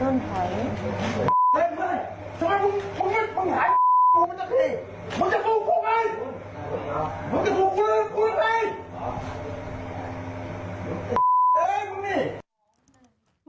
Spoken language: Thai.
เงี้ยวแบบนี้